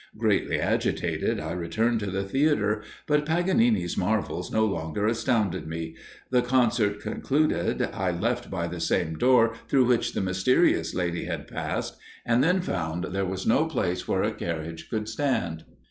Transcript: Greatly agitated, I returned to the theatre; but Paganini's marvels no longer astounded me. The concert concluded, I left by the same door through which the mysterious lady had passed, and then found there was no place where a carriage could stand."